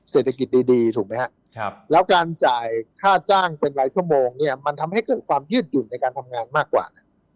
เศรษฐกิจดีถูกไหมครับแล้วการจ่ายค่าจ้างเป็นรายชั่วโมงเนี่ยมันทำให้เกิดความยืดหยุ่นในการทำงานมากกว่า